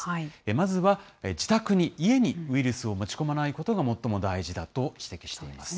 まずは自宅に、家にウイルスを持ち込まないことが最も大事だと指摘しています。